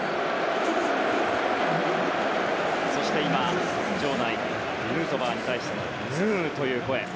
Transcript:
そして今、場内ヌートバーに対して「ヌー」という声。